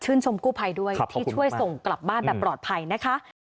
ชมกู้ภัยด้วยที่ช่วยส่งกลับบ้านแบบปลอดภัยนะคะ